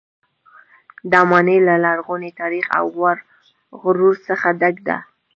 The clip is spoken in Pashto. دا ماڼۍ له لرغوني تاریخ او غرور څخه ډکه ده.